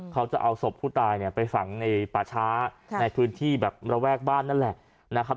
เขาจะเอาศพผู้ตายไปฝังป่าช้าในพื้นที่แบบระแวกบ้านนั่นแหละ